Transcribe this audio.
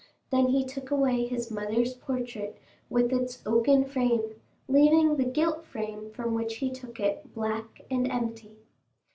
Then he took away his mother's portrait, with its oaken frame, leaving the gilt frame from which he took it black and empty.